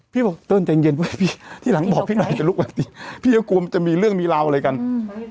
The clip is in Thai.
บอกเติมใจเย็นเย็นป่ะพี่ทีหลังบอกพี่หน่อยอย่าลุกแบบนี้พี่ก็กลัวมันจะมีเรื่องมีราวอะไรกันอืม